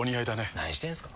何してんすか。